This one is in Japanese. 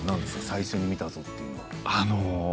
最初に見たぞという。